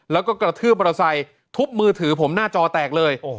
แล้วก็กระทืบมอเตอร์ไซค์ทุบมือถือผมหน้าจอแตกเลย